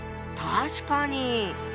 確かに。